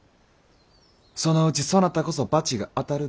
そのうちそなたこそ罰が当たるで。